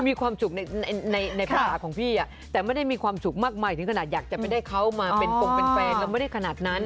มีความสุขในภาษาของพี่แต่ไม่ได้มีความสุขมากมายถึงขนาดอยากจะไปได้เขามาเป็นฟงเป็นแฟนเราไม่ได้ขนาดนั้น